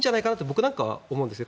僕なんかは思うんですね。